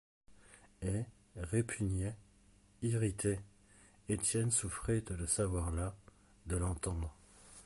Et, répugné, irrité, Étienne souffrait de le savoir là, de l’entendre.